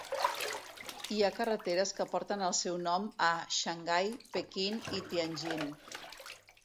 Hi ha carreteres que porten el seu nom a Xangai, Pequín i Tianjin.